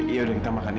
ya yaudah kita makan ya